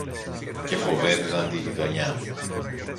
και φοβέριζαν τη γειτονιά.